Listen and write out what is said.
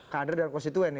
kadir dan konstituen